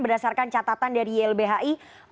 berdasarkan catatan dari ylbhi